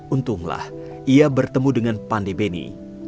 untunglah ia bertemu dengan pandey benny